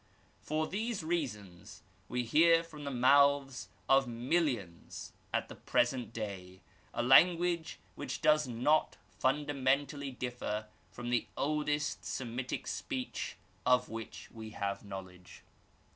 For these reasons we hear from the mouths of millions at tk^^^^^ss&ss^:!^ 8 The Arabic Language. day a language which does not fundamentally differ from the oldest Semitic speech of which we have knowledge.